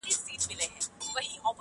خو ما په اوښکو درته ولمبول ومي بخښه